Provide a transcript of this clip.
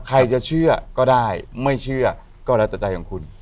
ใครจะเชื่อก็ได้ไม่เชื่อก็แล้วแต่ใจของคุณ